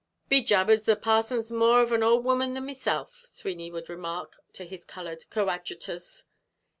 "Be jabers, the parson's more of an ould woman than mesilf," Sweeney would remark to his colored coadjutors.